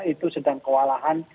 itu sedang kewalahan